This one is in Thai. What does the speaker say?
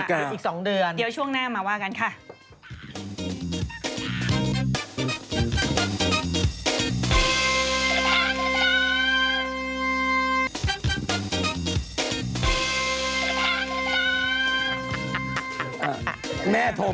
อ๋อคุณแม่มีไร่ชายในเทเนมรา